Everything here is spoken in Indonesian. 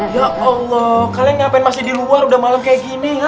ya allah kalian ngapain masih di luar udah malam kayak gini